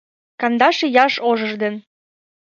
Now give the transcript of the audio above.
Кандаш ияш ожыж ден